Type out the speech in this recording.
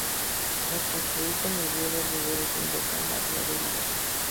Tras confluir con el río Verdugo, desemboca en la ría de Vigo.